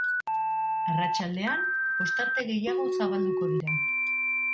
Arratsaldean, ostarte gehiago zabalduko dira.